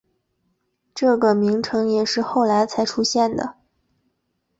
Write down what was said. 这个名称也是后来才出现的。